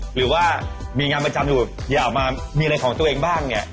หรือว่ามีงานประจำอยู่อย่าออกมามีอะไรของตัวเองบ้างเนี่ย